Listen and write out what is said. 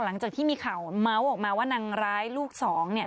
หลังจากที่มีข่าวเมาส์ออกมาว่านางร้ายลูกสองเนี่ย